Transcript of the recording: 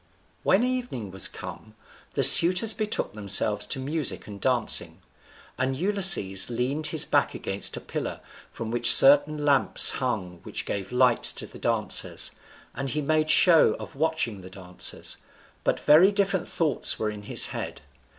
When evening was come, the suitors betook themselves to music and dancing. And Ulysses leaned his back against a pillar from which certain lamps hung which gave light to the dancers, and he made show of watching the dancers, but very different thoughts were in his head.